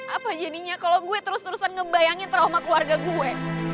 apa jadinya kalau gue terus terusan ngebayangin trauma keluarga gue